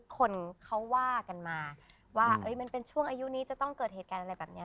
คนเค้าว่ากันมาว่าเป็นช่วงอายุนี้จะต้องเกิดเกิดแบบแบบนี้